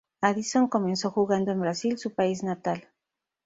Addison comenzó jugando en Brasil, su país natal.